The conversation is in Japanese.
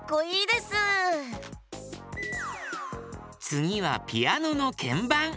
つぎはピアノのけんばん。